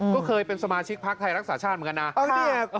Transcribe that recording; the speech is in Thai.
ก็เคยเป็นสมาชิกพักไทยรักษาชาติเหมือนกันนะ